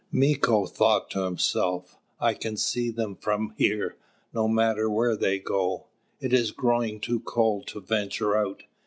Mīko thought to himself: "I can see them from here, no matter where they go. It is growing too cold to venture out."